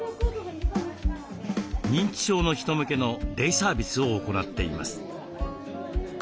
認知症の人向けのデイサービスを行っています。